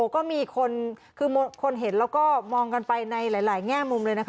ก็มีคนคือคนเห็นแล้วก็มองกันไปในหลายแง่มุมเลยนะคะ